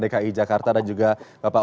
dki jakarta dan juga bapak